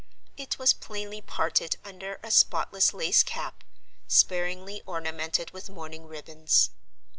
It was plainly parted under a spotless lace cap, sparingly ornamented with mourning ribbons.